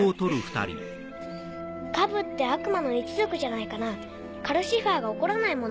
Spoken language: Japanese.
カブって悪魔の一族じゃないかなカルシファーが怒らないもの。